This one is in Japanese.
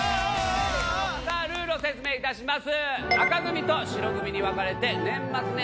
さあルールを説明いたします。